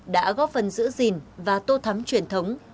đã góp phần giữ gìn và tô thắm truyền thống